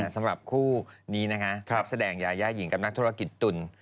สำหรับคู่นี้นะคะนักแสดงยายาหญิงกับนักธุรกิจตุ่น